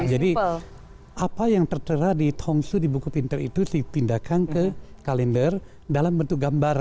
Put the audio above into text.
jadi apa yang tertera di tongsu di buku pintar itu dipindahkan ke kalender dalam bentuk gambar